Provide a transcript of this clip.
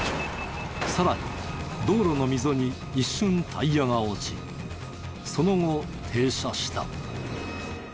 さらに道路の溝に一瞬タイヤが落ちその後停車した。